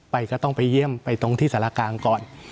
ก็ต้องไปเยี่ยมไปตรงที่สารกลางก่อน